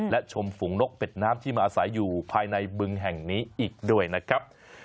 และชมฝูงนกเป็ดน้ำที่มาอาศัยอยู่ภายในบึงแห่งนี้อีกด้วยนะครับ